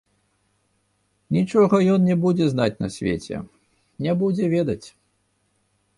Нічога ён не будзе знаць на свеце, не будзе ведаць.